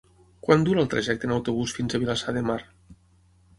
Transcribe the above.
Quant dura el trajecte en autobús fins a Vilassar de Mar?